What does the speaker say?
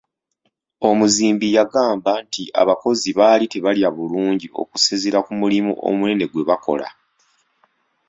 Omuzimbi yagamba nti abakozi baali tebalya bulungi okusinziira ku mulimu omunene gwe bakola.